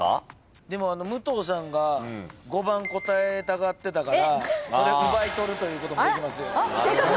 でも武藤さんが５番答えたがってたからそれ奪い取るということもできますよ。